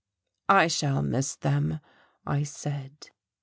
"I shall miss them," I said.